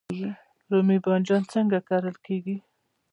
رومی بانجان څنګه کرل کیږي؟